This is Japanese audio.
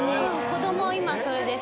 子供今それです。